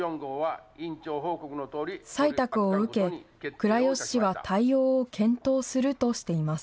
採択を受け、倉吉市は対応を検討するとしています。